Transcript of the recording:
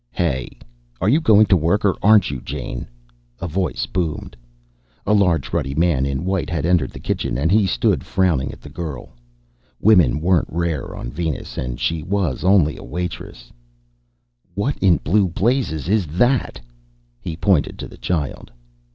"Hey! Are you going to work or aren't you, Jane?" a voice boomed. A large ruddy man in white had entered the kitchen and he stood frowning at the girl. Women weren't rare on Venus, and she was only a waitress ... "What in the blue blazes is that!" He pointed to the child.